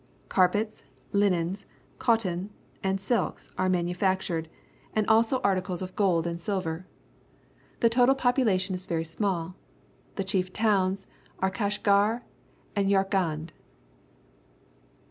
Carpftts, linens , cot ton, and silks_ are manuTactured, and also article s of gold and silver. The total popu latioiTTs very small. The chief towns are Kashaar and Yarkand.